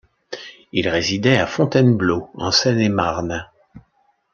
Il résidait à Fontainebleau, en Seine-et-Marne.